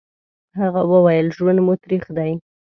هغه وويل: ژوند مو تريخ دی.